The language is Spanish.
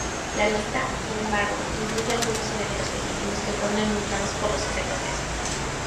La lista, sin embargo, incluye algunos herederos legítimos que fueron eliminados por los sacerdotes.